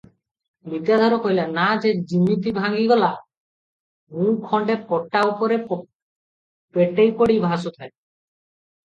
ବିଦ୍ୟାଧର କହିଲା, "ନାଆ ଯିମିତି ଭାଙ୍ଗିଗଲା, ମୁଁ ଖଣ୍ଡେ ପଟା ଉପରେ ପେଟେଇ ପଡ଼ି ଭାସୁଥାଏଁ ।